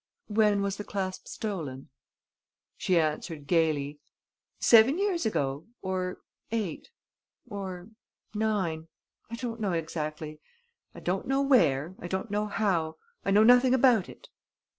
"When was the clasp stolen?" She answered gaily: "Seven years ago ... or eight ... or nine; I don't know exactly ... I don't know where ... I don't know how ... I know nothing about it...."